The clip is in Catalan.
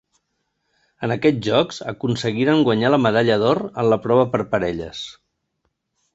En aquests Jocs aconseguiren guanyar la medalla d'or en la prova per parelles.